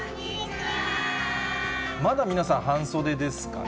まだ皆さん、半袖ですかね。